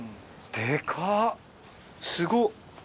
すごっ。